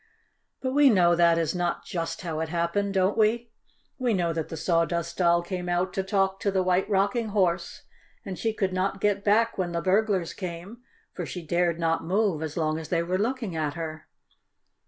But we know that is not just how it happened, don't we? We know that the Sawdust Doll came out to talk to the White Rocking Horse, and she could not get back when the burglars came, for she dared not move as long as they were looking at her.